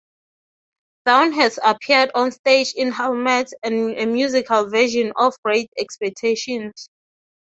Down has appeared on stage in "Hamlet" and a musical version of "Great Expectations".